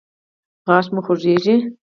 غاښ مو خوځیږي؟